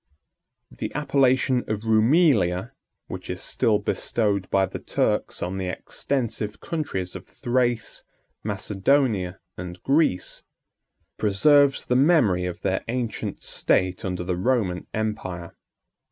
] The appellation of Roumelia, which is still bestowed by the Turks on the extensive countries of Thrace, Macedonia, and Greece, preserves the memory of their ancient state under the Roman empire.